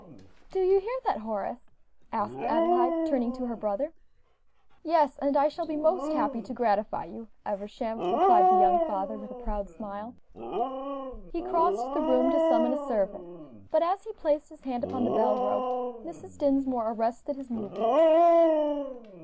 "Do you hear that, Horace?" asked Adelaide, turning to her brother. "Yes, and I shall be most happy to gratify you, Eversham," replied the young father, with a proud smile. He crossed the room to summon a servant, but as he placed his hand upon the bell rope, Mrs. Dinsmore arrested his movement.